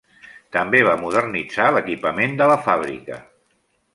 També va modernitzar l'equipament de la fàbrica.